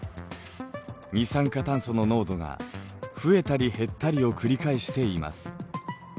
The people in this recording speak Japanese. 二酸化炭素の濃度が増えたり減ったりを繰り返しています。